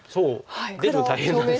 出るの大変なんです。